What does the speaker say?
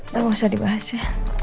gak emosa dibahas ya